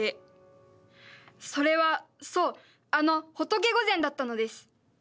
それはそうあの仏御前だったのです。